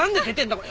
これ。